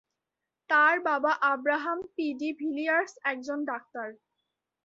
তার বাবা "Abraham P de Villiers" একজন ডাক্তার।